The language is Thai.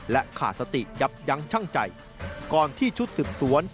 และขาดสติยับยั้งชั่งใจก่อนที่ชุดสืบสวน